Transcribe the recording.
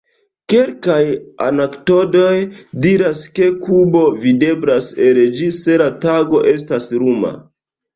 Kelkaj anekdotoj diras ke Kubo videblas el ĝi se la tago estas luma.